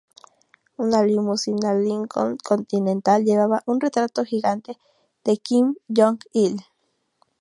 Una limusina Lincoln Continental llevaba un retrato gigante de Kim Jong-il.